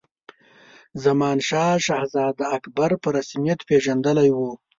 زمانشاه شهزاده اکبر په رسمیت پېژندلی وو.